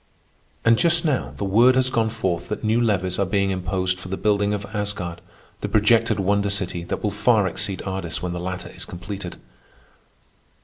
And just now the word has gone forth that new levies are being imposed for the building of Asgard, the projected wonder city that will far exceed Ardis when the latter is completed.